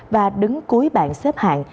và đứng cuối bản xếp hạng